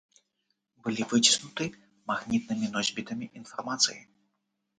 Былі выціснуты магнітнымі носьбітамі інфармацыі.